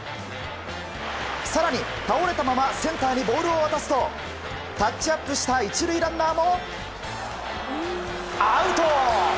更に、倒れたままセンターにボールを渡すとタッチアップした１塁ランナーもアウト！